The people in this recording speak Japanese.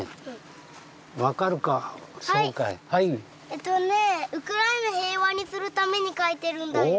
えっとねぇウクライナ平和にするために描いてるんだよ。